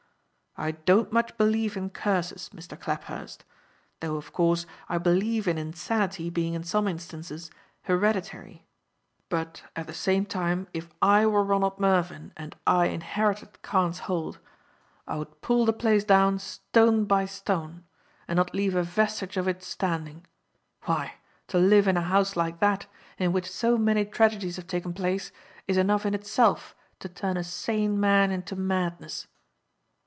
"I don't much believe in curses, Mr. Claphurst, though, of course, I believe in insanity being in some instances hereditary; but, at the same time, if I were Ronald Mervyn and I inherited Carne's Hold, I would pull the place down stone by stone, and not leave a vestige of it standing. Why, to live in a house like that, in which so many tragedies have taken place, is enough in itself to turn a sane man into madness."